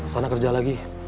sana kerja lagi